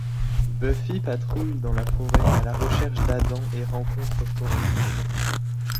Buffy patrouille dans la forêt à la recherche d'Adam et rencontre Forrest.